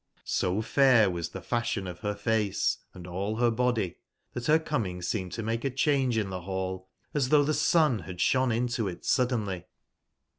So fair was the fashion of her face & all her body, that her coming seemed to mahe a change in the hall, as though thesun had shone into it sud denly.